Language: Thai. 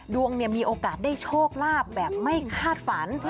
มีโอกาสได้โชคลาภแบบไม่คาดฝัน